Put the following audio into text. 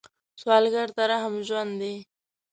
سوالګر ته رحم ژوند دی